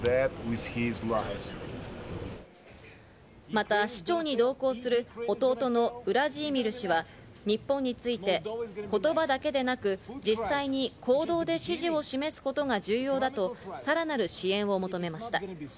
また、市長に同行する弟のウラジーミル氏は、日本について言葉だけでなく実際に口頭で支持を示すことが重要だとさらなる支援を求めました。